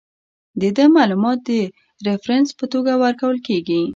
د ده معلومات د ریفرنس په توګه ورکول کیږي.